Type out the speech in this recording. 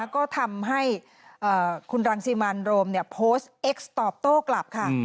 ก็ทำให้คุณรังสิมันโรมโพสต์เอ็กซ์ตอบโต้กลับค่ะ